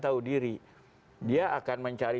tahu diri dia akan mencari